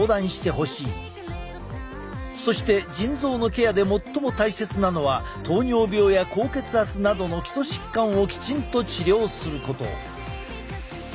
そして腎臓のケアで最も大切なのは糖尿病や高血圧などの基礎疾患をきちんと治療すること。